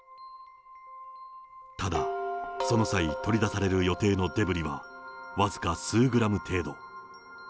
ただ、その際、取り出される予定のデブリは僅か数グラム程度。